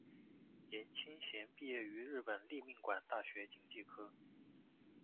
颜钦贤毕业于日本立命馆大学经济科。